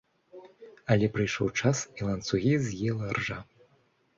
Але прыйшоў час, і ланцугі з'ела ржа.